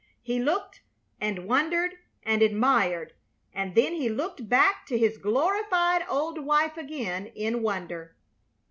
He looked and wondered and admired, and then he looked back to his glorified old wife again in wonder.